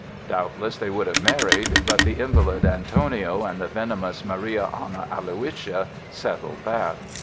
Doubtless they would have married. But the invalid Antonio and the venomous Maria Anna Aloysia settled that.